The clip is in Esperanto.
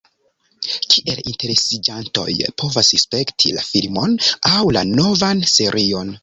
Kiel interesiĝantoj povas spekti la filmon aŭ la novan serion?